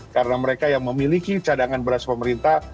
karena mereka yang memiliki cadangan beras pemerintah